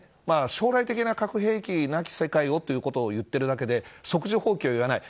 将来的な核兵器なき世界をと言っているだけで即時放棄は言わない。